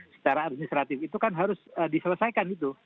secara administratif itu kan harus diselesaikan itu